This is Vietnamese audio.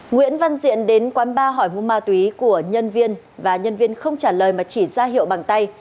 nguyễn văn diện đến quán bar hỏi mua ma túy của nhân viên và nhân viên không trả lời mà chỉ ra hiệu bằng tay